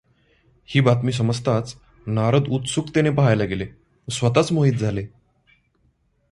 ही बातमी समजताच नारद उत्सुकतेने पहायला गेले व स्वत च मोहित झाले.